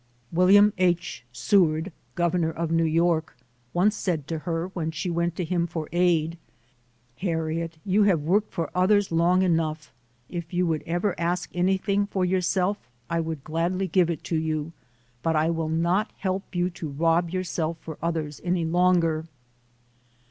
William H. Seward, Governor of New York, once said to her when she went to him for aid, "Harriet, you have worked for others long enough. If you would ever ask anything for your HARRIET TUBMAN [ 97 self, I would gladly give it to you but I will not help you to rob yourself for others any longer".